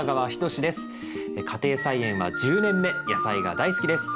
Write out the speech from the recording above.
家庭菜園は１０年目野菜が大好きです。